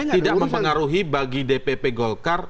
tidak mempengaruhi bagi dpp golkar